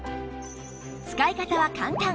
使い方は簡単！